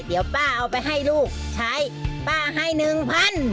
เดี๋ยวป้าเอาไปให้ลูกใช้ป้าให้หนึ่งพัน